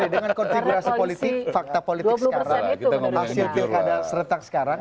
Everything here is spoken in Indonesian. dengan konfigurasi politik fakta politik sekarang hasilnya ada seretak sekarang